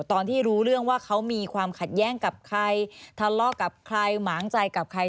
ตอนที่รู้เรื่องว่าเขามีความขัดแย้งกับใครทะเลาะกับใครหมางใจกับใคร